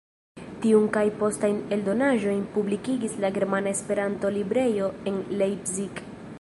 Tiun kaj postajn eldonaĵojn publikigis la Germana Esperanto-Librejo en Leipzig.